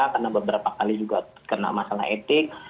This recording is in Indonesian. karena beberapa kali juga kena masalah etik